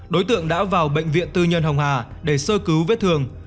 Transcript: đối tượng đã vào bệnh viện tư nhân hồng hà để sơ cứu vết thương